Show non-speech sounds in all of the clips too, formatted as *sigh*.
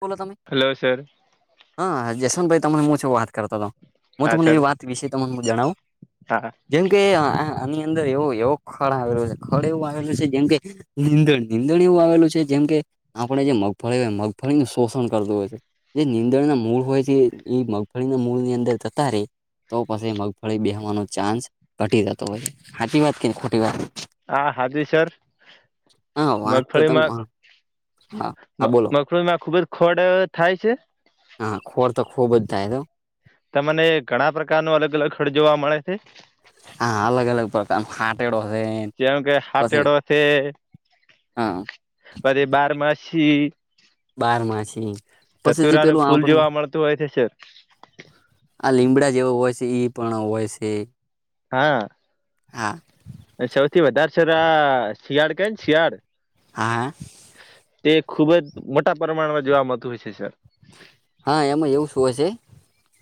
બોલો તમે? Hello sir. હા જસવંતભાઈ તમને હું છ વાત કરતો હતો હું હા તમને સર એવી વાત વિશે તમને જણાવું? હા. જેમકે આ આની અંદર એવો એવો ખળ આવેલું છે ખળ એવું આવેલું છે જેમકે. નીંદણ નીંદણ એવું આવેલું છે જેમ કે આપણે જે મગફળી હોય મગફળીનું શોષણ કરતું હોય છે. જે નીંદણના મૂળ હોય છે એ મગફળીના મૂળની અંદર જતા રહે. તો પછી મગફળી બેહવાનો ચાન્સ ઘટી જતો હોય છે ખાટી વાત કે ખોટી વાત? હા સાચું સર. હા વાત તો તમ મગફળીમાં હા હા બોલો મગફળીમાં ખૂબ જ ખોડ થાય છે. હા ખોડ તો ખૂબ જ થાય તો તમને ઘણા પ્રકાર ન અલગ અલગ ખડ જોવા મળે છે. હા અલગ અલગ પ્રકાર હટેડો છે. જેમ કે પછી હાટેડો છે હા પછી બારમાસી. બાર માસી કતુરા ન ફૂલ જોવા મળતું હોય છે સર આ લીમડા જેવો હોય છે પણ હોય છે. હા. હા. સૌથી વધારે સર શિયાળ ક શિયાળ હા. તે ખુબ જ મોટા પ્રમાણમાં જોવા મળતું હોય છે, સર, હા એમાં એવુંશ હોય છે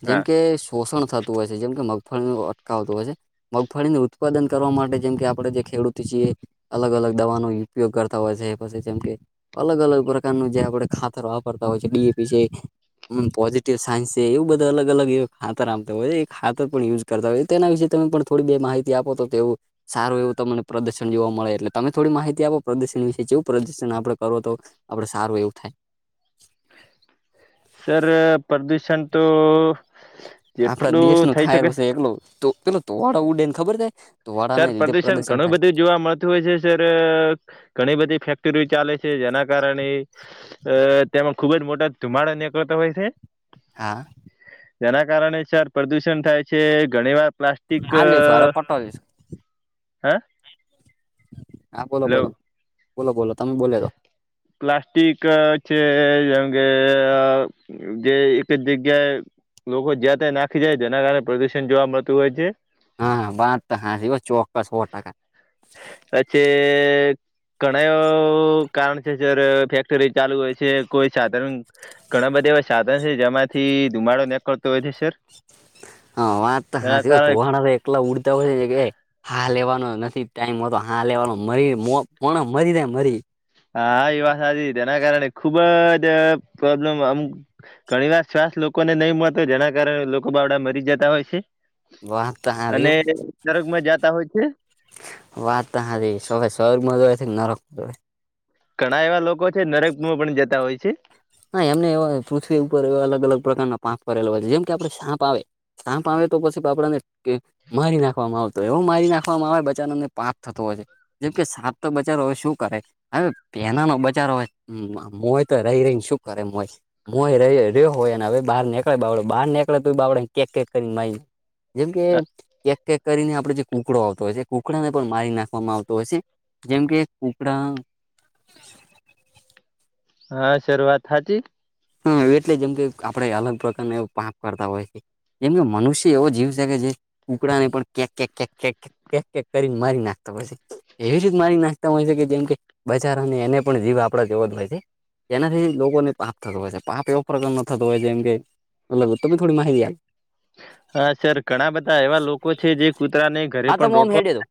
જેમ હા કે, પોષણ થતું હોય છે, જેમકે મગફળીનું અટકાવતું હોય છે. મગફળીનું ઉત્પાદન કરવા માટે જેમ કે આપણેે જે ખેડૂત છીએ, અલગ અલગ દવાનો ઉપયોગ કરતા હોય છે પછી જેમ કે, અલગ અલગ પ્રકારનું જે આપડે ખાતર વાપરતા હોય છે ડીએપી છે, હમ પોઝિટિવ સાયન્સ છે એવ બંધ અગ અલગ એ ખાતર આમતા હોય. એ ખાતર પણ યુજ કરતા હોય તો તેના વિશે તમે પણ થોડી બે માહિતી આપો તો તે એવું, સારું એવું તમને પ્રદર્શન જોવા મળે એટલે તમે થોડી માહિતી આપો, પ્રદર્શન વિશે જેવું પ્રદર્શન આપણે કરો તો આપડે સારું એવું થાય. સર પ્રદુષણ તો આપડા જેટલું દેશનું થઈ થાય શકે રુ છે એટલું તો પેલો ધુમાડો ઉડે ને ખબર છે? સર ધુવાડાના લીધે પ્રદુષણ પ્રદર્શન ઘણું થાય. બધું જોવા મળતું હોય છે, સર ઘણી બધી ફેક્ટરીઓ ચાલે છે જેના કારણે, અ તેમાં ખુબ જ મોટા ધુમાડા નીકળતા હોય છે. હા. જેના કારણે સર પ્રદુષણ થાય છે. ઘણી વાર પ્લાસ્ટ *inaudible* હા હા બોલો બોલો. લવ બોલો બોલો તમે બોલીએ રો. પ્લાસ્ટિક છે જેમ કે જે એક જ જગ્યાએ લોકો જ્યાં ત્યાં નાખી દે. જેના કારણે પ્રદુષણ જોવા મળતું હોય છે. હા બાત તો હાસી હો ચોક્કસ હો ટકા. પછે ઘણા એ કારણ છે જ્યારે ફેક્ટરી ચાલુ હોય છે કોઈ સાધન ઘણા બધા એવા સાધન છે જેમાંથી ધુમાડો નિકળતો હોય છે સર. હા વાત તો તેના હાસી હો. કારણે ધુવાણા એકલા ઉડતા હોય છે કે હાહ લેવાનો નથી ટાઈમ હોતો, હાહ લેવાનો મરી મોણ મરી રે મરી. હા એ વાત સાચી. તેના કારણે ખુબ જ પ્રોબ્લેમ અમુક ઘણી વાર શ્વાસ લોકોને નહી મળતો હોય જેના કારણે લોકો બાવડા મરી જતા હોય છે. વાત તો હાચી અને હો નરકમાં જાતા હોય છે. વાત ત હાસી. શવે સ્વર્ગમાં જ હોય છે કે નરક હોય. ઘણા એવા લોકો છે નરકમાં પણ જતા હોય છે. હા એમને એવા પૃથ્વી ઉપર એવા અલગ અલગ પ્રકારના પાપ કરેલા હોય છે. જેમ કે આપણે સાપ આવે, સાપ આવે તો પછી બાપડા ને કે મારી નાખવામાં આવતો એવું મારી નાખવામાં આવે બચાનોને પાપ થતો હોય છે. જેમ કે સાપ તો બચારો હવે શું કરે. હવે પેના નો બચારો હોય, મોય તો રહી રહી ને શું કરે મોય. મોય ર ર્યો હોય ને હવે બહાર નીકળે બાબડે બહાર નીકળે તો બાબડે ને કેક કેક કરીને મારીને, જેમ કે કેક કેક કરીને આપણે જે કુકડો આવતો હોય છે. કુકડાને મારી નાખવામાં આવતો હોય છે. જેમ કે, કુકડા હા સર વાત સાચી. હા એટલે જેમ કે આપડે અલગ પ્રકારનું એવું પાપ કરતા હોય છે. જેમ કે મનુષ્ય એવો જીવ છે કે જે કુકડાને પણ કેક કેક કેક, કેક કેક કરીને મારી નાખતો હોય છે. એવી રીત મારી નાખતા હોય છે કે જેમ કે બચારાઓને એને પણ જીવ આપડા જેવો જ હોય છે‌. એનાથી લોકોને પાપ થતો હોય છે પાપ એવો પ્રકાર નો થતો હોય છે એમ કે મતલબ તમે થોડી માહિતી આપ હા સર ઘણા બધા એવા લોકો છે જે કૂતરાને ઘરે હા પણ તમે ઓમ રોટલો *inaudible* હેડે દો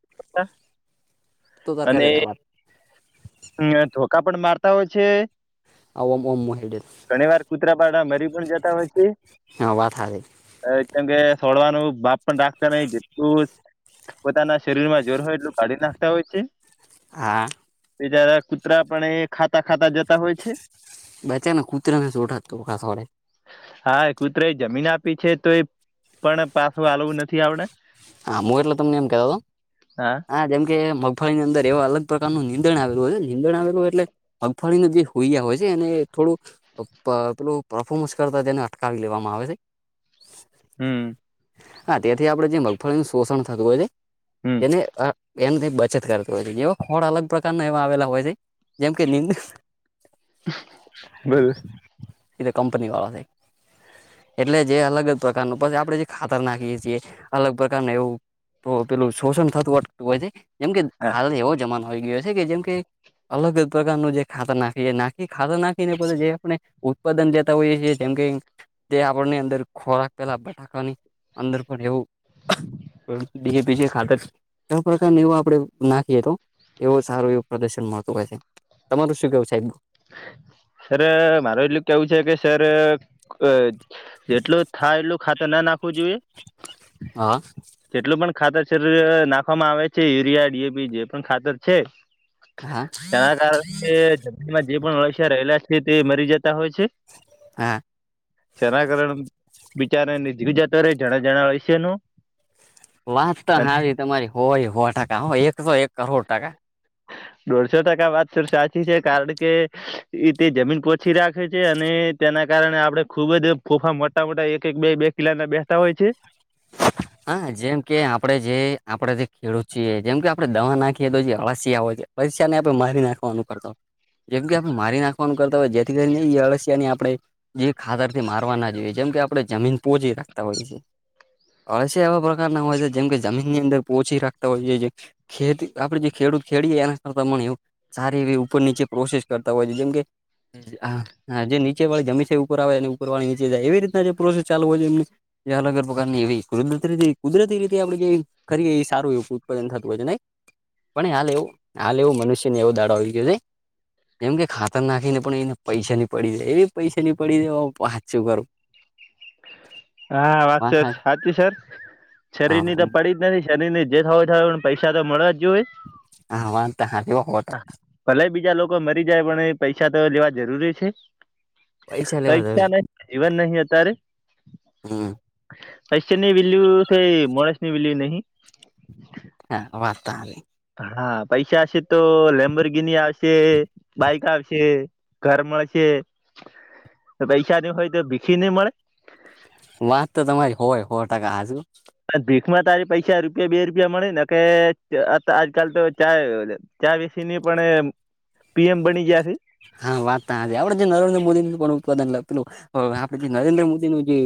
તો તાર કરેજા વાત. અહીંયા ધોકા પણ મારતા હોય છે. આ *unintelligible* ઓમ મોહેડેર. ઘણી વાર કૂતરા પાડા મરી પણ જતા હોય છે. હા વાત સારી કેમ કે સોડવાનું બાપ પણ રાખતા નઈ જેટલું પોતાના શરીરમાં જોર હોય એટલું કાઢી નાખતા હોય છે. હા બિચારા કૂતરા પણ એ ખાતા ખાતા જતા હોય છે. બચા ને કૂતર ને *unintelligible* સોડે હા એ કૂતરા એ જમીન આપી છે તો એ પણ પાછું હાલવું નથી આવડે હા હું તમને એમ કે હા જેમ કે મ ફલી અંદર એવા અલગ પ્રકારનું નીંધણ આવલું હોય હે નિંદણ આવેલું હોય એટલે મગફળીનું જે હોઈયા હોય છે એને એ થોડુંક પેલું પરફોર્મન્સ કરતા તેને અટકાવી લેવામાં આવે છે. હમ્મ હા તેથી આપડે જે મગફળીનું શોષણ થતું હોય છે હમ તેને એમથી બચત કરત હોય છે જેવા ખોડ અલગ પ્રકારના એવા આવેલા હોય છે. જેમ કે નિંદ બોલ એ તો કંપની વાળા જાય એટલે જે અલગ જ પ્રકાર પછી આપડે જે ખાતર નાખીએ છીએ અલગ પ્ર એવું પેલું શોષણ થતું અટકું હોય છે જેમ કે હા હાલ એવો જમાનો આવી ગયો છે કે જેમ કે અલગ જ પ્રકારનું જે ખાતર નાખી નાખી ખાતર નાખીને પછી જે આપણે ઉત્પાદન લેતા હોઈએ છીએ જેમ કે તે આપણને અંદર ખોરાક પહેલા બટાકાવાની અંદર પણ એવું ડી એ પી જી ખાતર કવા પ્રકારનુ *unintelligible* એવ આપડે નાખીએ તો એવું સારું એવું પ્રદર્શન મળતું હોય છે તમારું શું કેવું સા સરે મારે એટલું કેવું છે કે સરે જેટલું થાય એટલું ખાતર ના નાખવું જોઈએ હા જેટલું પણ ખાતર *unintelligible* નાખવામાં આવે છે યુરિયા ડી એ પી જે પણ ખાતર છે, હા એમાં જે પણ અળશિયા રહેલા છે તે મરી જતા હોય છે. હા જેના કારણે બિચારાની જીવ જતો રે જણા જણા અળશિયાનું વાત તો હાસી તમારી હોએ હો ટકા એકસો એક કરોડ ટકા દોઢસો ટકા સર વાત તો સાચી છે કારણ કે એ તે જમીન કોટ ઓછી રાખે છે અને તેના કારણે આપણે ખુબ જ ફોફા મોટા મોટા એક એક બે બે કિલોના બેહતા હોય છે. *inaudible* હા જેમ કે આપડે જે આપડે જે ખેડૂત છીએ જેમ કે આપણે દવા નાખીએ તો જે અળસીયાઓ છે, અળસિયાને આપણે મારી નાખવાનું કરતા જેમ કે આપણે મારી નાખવાનું કરતા હોય જેથી કરીને એ અળસિયાની આપણે જે ખાતરથી મારવા ના જોઈએ જેમ કે આપણે જમીન પોચી રાખતા હોય છે. અળસિયા એવા પ્રકારના હોય છે જેમ કે જમીનની અંદર પોચી રાખતા હોઈએ જે ખેતી આપડે જે ખેડૂત ખેડીએ એના કરત મન સારી એવી ઉપર નીચે પ્રોસેસ કરતા હોય છે જેમ કે હા જે નીચે વાળી જમીન છે ઉપર આવે અને ઉપર વાળી નીચે જાય એવી રીતના જે પ્રોસેસ ચાલુ હોય છે એમને જે અલગ ફોક્ટની એવી કારુ કુદરતી રીતે આપ જે ખરી સારું એ ઉત્પાદન થતું હોય છે નઈ? પણ એ હાલ એવું હાલ એવું મનુષ્યને એવો દાડો આવી ગયો છે. જેમ કે ખાતર નાખીને પણ એને પૈસાની પડી રે એવી પૈસાની પડી રે વાત શું કરું. હા વાત તો સાચી સર. શરીરની તો પડી નથી શરીરની જે થ હોય થ હોય પૈસા તો મળવા જ જોઈ એ. હ વાતા હારી હો ટકા. ભલે બીજા લોકો મરી જાય પણ પૈસા તો લેવા જરૂરી છે. પૈસા લેવા જરૂર નહી જીવન નહી અત્યારે હમ. પૈસાની વેલ્યુ થ મોડેશ ની વેલ્યુ નહીં. હા વાત તો હાલી. હા પૈસા હશે તો લેમ્બર ગિનિ આવશે, બાઈક આવશે. ઘર મળશે, ને પૈસાની હોય તો ભીખી નહી મળે. વાત તો તમારી હોય હો ટકા હાંસી હો. ને ભીખમાં તો આજે પૈસા રૂપિયા બે રૂપિયા મળે ને કે આજકાલ તો ચા ચા બેસી ની પણ પીએમ બની ગયા છે. હા વાત તો હાચી. આપડે જે નરેન્દ્ર મોદી પણ ઉત્પદન લખેલું પેલું. હવે આપડે જે નરેન્દ્ર મોદીનું જે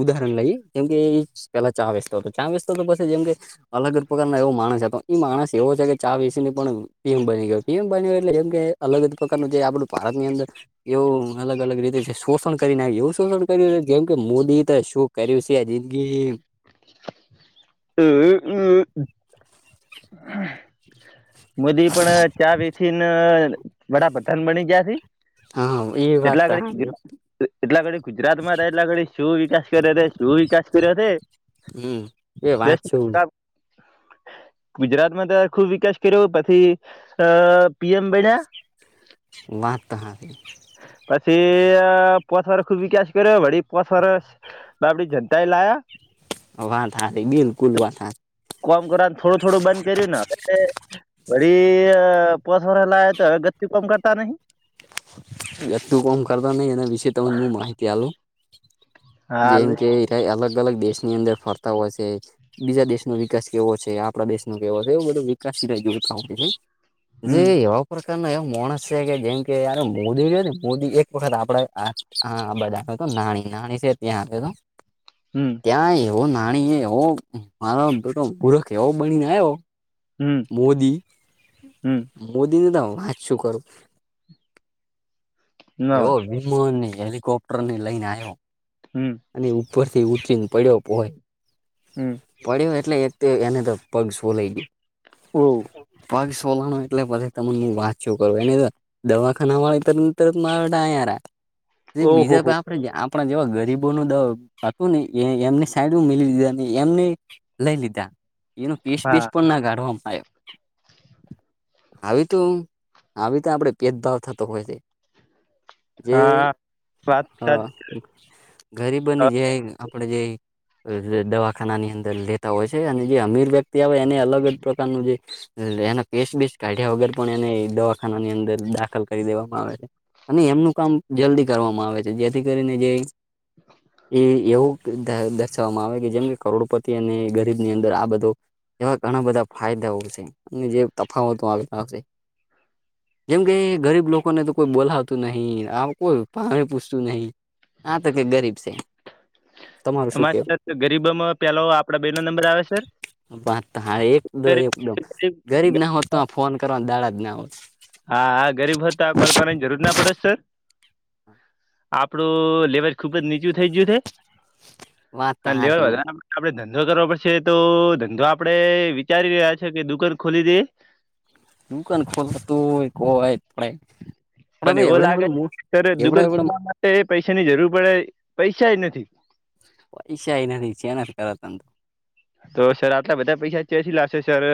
ઉદાહરણ લઈએ જેમ કે એ પેલા ચા વેચતો તો. ચા વેચતો તો પછી જેમ કે અલગ જ પ્રકાર ના એવો માણસ છે. એ માણસ એવો છે કે ચા વસીની પણીમ બની ગયો. પીએમ બન્યો એટલે એમ કે અલગ અગ પ્રકારનું જે આપડું ભારતની અંદર એવું અલગ અલગ રીતે શોષણ કરી નાખ એવું શોષણ કર્યું જેમ કે મોદી તો શું? કર્યું છે જિંદગીમ *inaudible* *inaudible* *inaudible* મોદી પણ ચા વેચીને વડાપધાન બની ગયા છે. હા એ વાત એટલા તો હાંસી હો. ઘડી એટલા ઘડી ગુજરાતમાં રહેલા ઘડી શું વિકાસ કર્યો છે શું વિકાસ કર્યો છે. હમ એ દસ વાત છો. ટકા ગુજરાતમાં તો ખુબ વિકાસ કર્યો પછી અ પીએમ બન્યા. વાત તો હાંસી. પછી પોસ વરસ ખુબ વિકાસ કર્યો. વડી પોસ વરસ બાબડી જનતા એ લાયા. વાત હાચી બિલકુલ વાત હાચી. કોમ કરવાનું થોડું થોડું બંધ કર્યું ને એટલે વળી અ પોસ વરહ લાય તો ગતી કામ કરતા નહીં. એ ગતુ કોમ કરતા નહી એના વિશે તમને હું માહિતી આલુ. હાલ જેમ કે એ રયા એ અલગ અલગ દેશની અંદર ફરતા હોય છે. બીજા દેશનો વિકાસ કેવો છે, આપડા દેશ નો કેવો છે એવું બધો વિકાસ એ રયા જોતા હોય છે. જે હમ એયા પ્રકારના એ માણસ છે કે જેમ કે યાર મોદી જો ને મોદી એક વખત આપડ બધ આપ્યો તો નાની નાની છે ત્યાં આવ્યો તો. હમ ક્યાં એવો નાની એવો મારો બેટો મુરખ એવો બનીને આવ્યો. હમ મોદી હમ મોદીની તો વાત શું કરું. ના એવો હોય વિમાનની, હેલિકોપ્ટર ને લઈને આવ્યો. હમ અને ઉપરથી ઉતરીને પડ્યો પોય. હમ પડ્યો એટલે એક તો એને તો પગ છોલઈ ગયો. ઓહ! પગ સોલાનો એટલે પછી તમને હું વાત છું, કર એન ત દવાખાના વાળ ત નંતર મારાટા યારા એ ઓહો બીજા હો આપે આપણા જેવા ગરીબોનો દુંને એ એમની સાઈડ મીલી દીધા. એમને લઈ લીધા એનો કેસ બેસ હા પણના કાઢવામાં આવ્યો. *unintelligible* *inaudible* હવે તો હું આવી તો આપડે ભેદભાવ થતો હોય છે. જે હા વાત અ સાચી ગરીબની અને જે. આપણેે જે અ દવા ખાનાની અંદર લેતા હોય છે. અને જે અમીર વ્યક્તિ આવે એને અલગ- અલગ પ્રકારનું જે એના કેસબેસ કાઢ્યા વગર પણ એને દવાખાનાની અંદર દાખલ કરી દેવામાં આવે છે. અને એમનું કામ જલ્દી કરવામાં આવે છે, જેથી કરીને જે એ એવું દર્શાવવામાં આવે કે જેમને કરોડપતિ અને ગરીબની અંદર આ બધો એવા ઘણા બધા ફાયદાઓ હોય છે. અને જે તફાવતો આ આવશે. જેમ કે ગરીબ લોકોને તો કોઈ બોલાતું નહીં, આ કોઈ આ પૂછતું નહીં. આતો કે ગરીબ છે. તમારું શું કેવું? તો ગરીબમાં પેલા આપડા બેનો નંબર આવે સર. વાત તો હાચી એકાદો એકદમ. ગરીબ ના હોત તો ફોન કરવા દાડા જના હોત. હા હા ગરીબ હતા આ કોલ કરવાની જરૂર ના પડે સર. આપડું લેવર ખુબ જ નીચું થઇ ગયું છે. વાત તો લેવર હાચી વધારે આપણે ધંધો કરવો પડશે તો ધંધો આપડે વિચારી રહ્યા છે, કે દુકાન ખોલી દે. દુકાન ખોલતી હોય કો વાય જ પડાય. પણ એવો લાગે સર દુકાળ એવડા ખોલવા માટે પૈસાની જરૂર પડે પૈસાએ નથી. પૈસા એ નથી શેનાથી કરો તમે. તો સર આટલા બધા પૈસા ચચી લાગશે સર.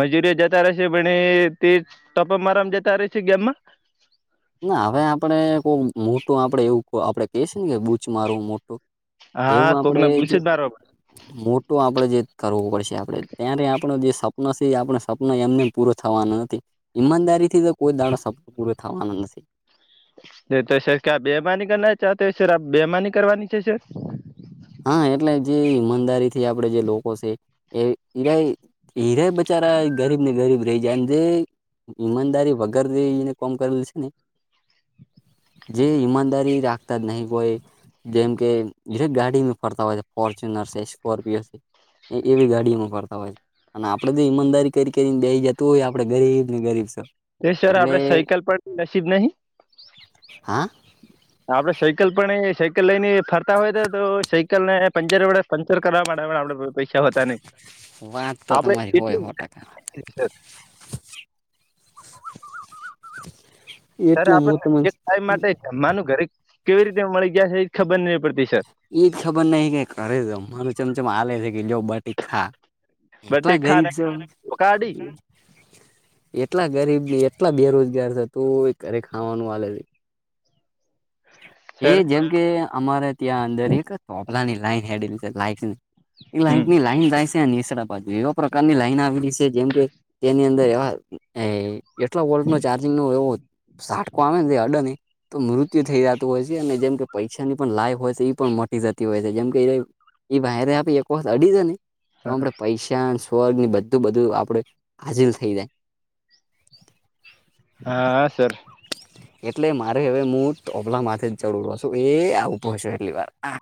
મજૂરીઓ જતા રહેશે પણ તે ટપ મારામ જતા રહેશે ગેમમાં. ના હવે આપડે કો મોટું આપડે એવું આપડે. કે છે, ને કે બૂચ મારવું મોટું હા એવું આપડે કોકને જે. પૂછી જ મારવા મોટું આપડે જે કરવો પડશે આપણેે ત્યારે આપણ જે સપનું છે, આપણે સપના એમને. પૂરો થવાનો નથી. ઈમાનદારીથી તો કોઈ દાણા સપનો પૂરો થવાનો નથી. નતો સર કે આપ બેમાની કરના ચાતો હો સર આપ બેમાની કરવાની છે, સર. હા એટલે જે ઈમાનદારી થી આપડે જે લોકો છે, એ ઈરાય હીરાય બિચારા ગરીબ ને ગરીબ, રહી જાય ને જેે ઈમાનદારી વગર જેને કોમ કરેલ છે, ને જે ઈમાનદારી રાખતા જ નહીં કોઈ જેમ કે જરેક ગાડી, ફરતા હોય છે, ફોર્ચ્યુનર છે, સ્કોર્પિયો છે, એ એવી ગાડીઓમાં ફરતા હોય છે. અને આપડે જો ઈમાનદારી કરી કરીને દઈ જતું હોય આપડે ગરીબ ને ગરીબ સર. એ સર આપડે સાયકલ પર નસીબ નહીં? હા? તો આપડે સાયકલ પણ એ સાયકલ લઈને ફરતા હોય તો તો સાયકલ ને પંચરવાળા પંચર કરવા માટેમાં પણ આપડે પૈસા હોતા નહીં વાત તો આપડે તમારી હોય એટલી. સો ટકા એટલે હું તને, માનું ઘરે કેવી રીતે મળી ગયા છે, એ ખબર નહીં પડતી સર. એઈજ ખબર નહીં કે કરેતો મા ચમચમ આલે છે, કે જો બટી ખા બટ એટલા એ ગરીબ ખાને છે, કાઢી એટલા ગરીબ એટલા બેરોજગાર થતું એ ઘરે ખાવાનું વઆલે છે. એ સર જેમ કે અમારે ત્યાં અંદર એક ચોપલાની લાઈન હેડલી છે લાઈ એ હમ લાઈનથી લાઈન જાયસ ત્યાં નિસળ બાજુ એવા પ્રકારની લાઈન આવેલી છે જેમ કે તેની અંદર એવા એ એટલા વોલ્ટ નો ચાર્જિંગ નો એવો સાટકો આવે ને હડની તો મૃત મૃત્યુ થઈ જતું હોય છે અને જેમ કે પૈસાની પણ લાઈફ હોય છે એ પણ મ મોટી જતી હોય છે જેમકે એ એ વાયરા આપી અડીજને તો આપણે પૈસાન સ્વર્ગ ને બધું બધું આપડે હાજિર થઈ જાય હા હા સર એટલે મારે હવે હું ઓભલા માથે જ ચડેલો હશે એ આ ઉભો હશે એટલી વાર આ